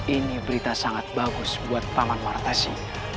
ini berita sangat bagus buat paman martasi